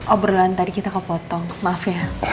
obrolan tadi kita kepotong maaf ya